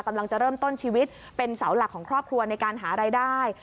กำลังจะเริ่มต้นชีวิตเป็นเสาหลักของครอบครัวในการหารายได้